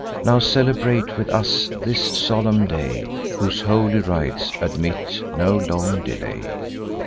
Now celebrate with us this solemn day, Whose holy rites admit no long delay.